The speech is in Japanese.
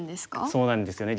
そうなんですよね